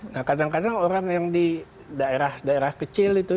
nah kadang kadang orang yang di daerah daerah kecil itu